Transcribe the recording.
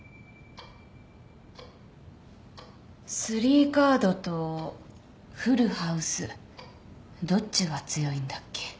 スリーカードとフルハウスどっちが強いんだっけ？